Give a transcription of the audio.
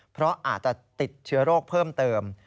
เพราะอาจจะติดเชื้อโรคเพิ่มเติม